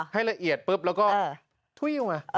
ให้ละเอียดปุ๊บแล้วก็ถุ้ยลงมา